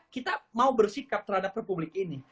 kita mau bersikap terhadap republik ini